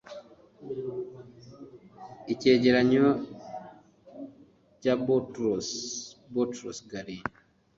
icyegeranyo cya boutros boutros-ghali